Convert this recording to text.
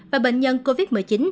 và bệnh nhân covid một mươi chín